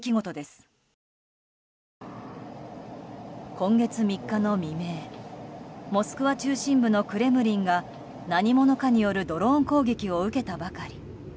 今月３日の未明モスクワ中心部のクレムリンが何者かによるドローン攻撃を受けたばかり。